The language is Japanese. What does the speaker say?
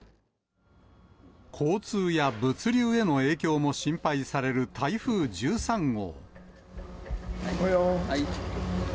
交通や物流への影響も心配される台風１３号。